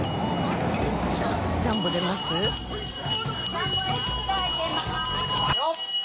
ジャンボ出ます？